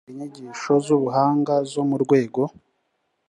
gutanga inyigisho z ubuhanga zo mu rwego